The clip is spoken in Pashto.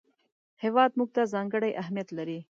هېواد موږ ته ځانګړی اهمیت لري